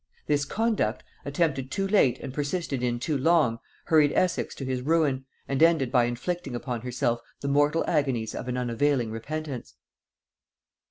This conduct, attempted too late and persisted in too long, hurried Essex to his ruin, and ended by inflicting upon herself the mortal agonies of an unavailing repentance.